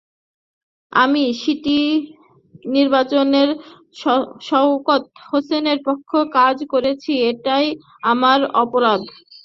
আমি সিটি নির্বাচনে শওকত হোসেনের পক্ষে কাজ করেছি, এটাই আমার অপরাধ।